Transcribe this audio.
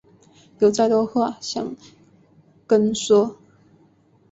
有再多话想跟说